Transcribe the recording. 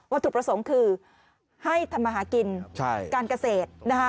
วัตถุประสงค์คือให้ธรรมหากินการเกษตร